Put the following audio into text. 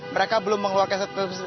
mereka belum mengeluarkan statement resmi